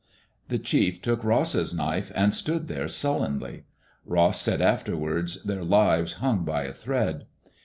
The chief took Ross's knife and stood there sullenly. Ross said afterwards their lives hung by a thread.